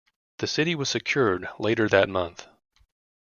The city was secured later that month.